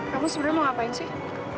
kamu mau ngapain sih